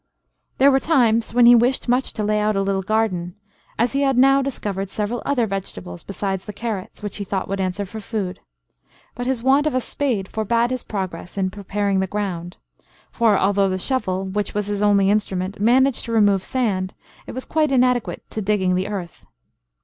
There were times when he wished much to lay out a little garden, as he had now discovered several other vegetables, besides the carrots, which he thought would answer for food; but his want of a spade forbade his progress in preparing the ground; for although the shovel, which was his only instrument, managed to remove sand, it was quite inadequate to digging the earth.